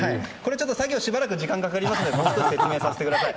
しばらく時間がかかりますのでもう少し説明させてください。